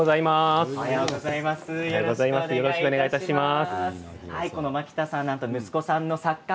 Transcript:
よろしくお願いします。